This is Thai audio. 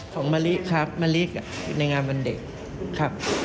ของมะลิครับมะลิในงานวันเด็ก